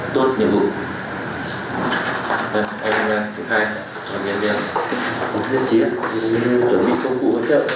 dù như chuẩn bị công cụ